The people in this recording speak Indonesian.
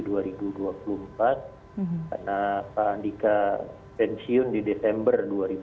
karena pak andika pensiun di desember dua ribu dua puluh dua